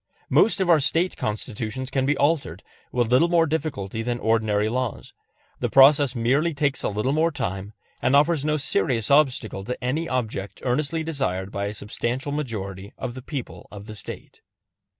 Most of our State Constitutions can be altered with little more difficulty than ordinary laws; the process merely takes a little more time, and offers no serious obstacle to any object earnestly desired by a substantial majority of the people of the State.